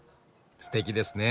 すてきですね。